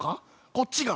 こっちが。